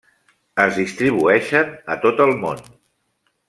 Es distribueixen a tot el món.